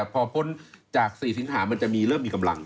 พอพ้นจาก๔สิงหามันจะมีเริ่มมีกำลัง